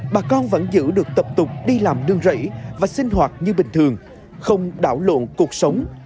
bà con vẫn giữ được tập tục đi làm nương rẫy và sinh hoạt như bình thường không đảo lộn cuộc sống